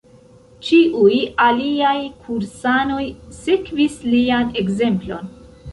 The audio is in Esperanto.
Ĉiuj aliaj kursanoj sekvis lian ekzemplon.